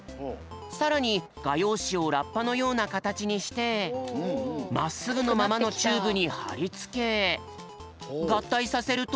さらにがようしをラッパのようなかたちにしてまっすぐのままのチューブにはりつけがったいさせると。